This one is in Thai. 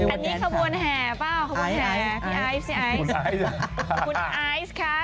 อันนี้ขบวนแห่เปล่าขบวนแห่พี่ไอซคุณไอซค่ะ